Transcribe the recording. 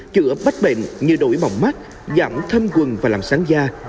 chữa bách bệnh như đổi mỏng mắt giảm thâm quần và làm sáng da